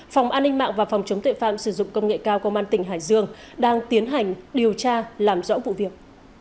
phòng an ninh mạng và phòng chống tuệ phạm sử dụng công nghệ cao công an tỉnh hải dương đang tiến hành điều tra làm rõ vụ việc